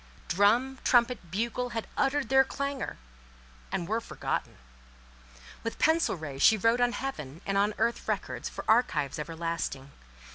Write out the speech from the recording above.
Drum, trumpet, bugle, had uttered their clangour, and were forgotten; with pencil ray she wrote on heaven and on earth records for archives everlasting.